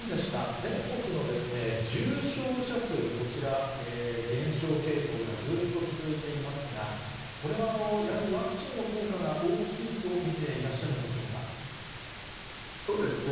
全国の重症者数、こちら、減少傾向がずーっと続いていますが、これはやはりワクチンの効果が大きいと見ていらっしゃるんでしょそうですね。